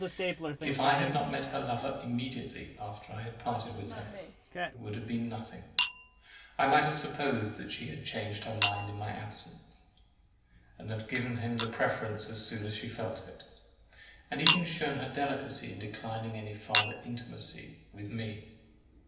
If I had not met her lover immediately after I parted with her, it would have been nothing. I might have supposed she had changed her mind in my absence, and had given him the preference as soon as she felt it, and even shewn her delicacy in declining any farther intimacy with me.